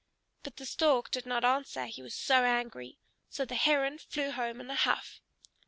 But the Stork did not answer, he was so angry. So the Heron flew home in a huff.